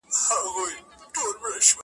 څوک یې ژړولي پرې یا وړی یې په جبر دی,